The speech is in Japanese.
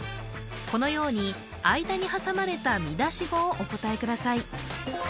このように間に挟まれた見出し語をお答えください